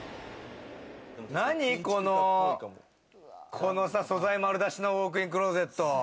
何この素材丸出しのウォークインクロゼット。